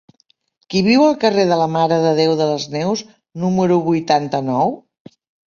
Qui viu al carrer de la Mare de Déu de les Neus número vuitanta-nou?